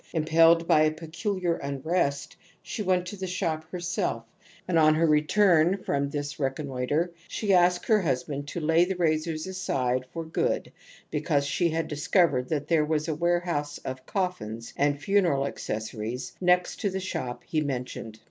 Impelled by a pecuhar xmrest she went to the shop herself, and on her return from this reconnoitre she asked her husband to lay the razors aside for good because she had discovered that there was a warehouse of coffins and funeral accessories next to the shop he mentioned.